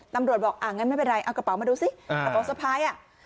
ตำรวจบอกอ่างั้นไม่เป็นไรเอากระเป๋ามาดูสิกระเป๋าสะพายอ่ะ